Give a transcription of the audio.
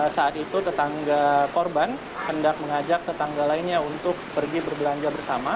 saat itu tetangga korban hendak mengajak tetangga lainnya untuk pergi berbelanja bersama